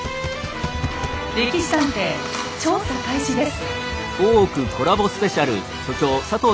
「歴史探偵」調査開始です。